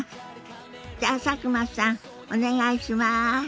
じゃあ佐久間さんお願いします。